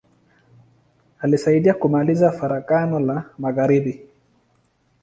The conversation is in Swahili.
Alisaidia kumaliza Farakano la magharibi.